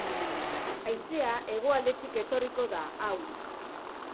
Haizea, hegoaldetik etorriko da, ahul.